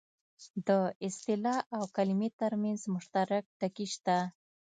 د اصطلاح او کلمې ترمنځ مشترک ټکي شته